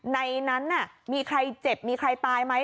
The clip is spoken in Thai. ในนั้นมีใครเจ็บมีใครตายไหม